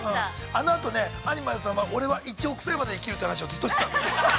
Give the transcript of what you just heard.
◆あのあと、アニマルさんは俺は１億歳まで生きるって話をずっとしてたの。